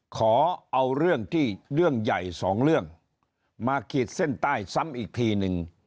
ขอเอาเรื่องที่เรื่องใหญ่สองเรื่องมาขีดเส้นใต้ซ้ำอีกทีนึง